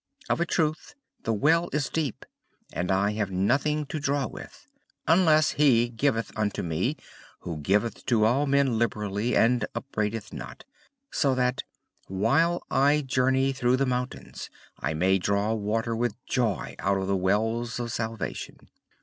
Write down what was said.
Of a truth THE WELL IS DEEP, AND I HAVE NOTHING TO DRAW WITH: unless he giveth it unto me WHO GIVETH TO ALL MEN LIBERALLY, AND UPBRAIDETH NOT: so that WHILE I JOURNEY THROUGH THE MOUNTAINS I may DRAW WATER WITH JOY OUT OF THE WELLS OF SALVATION.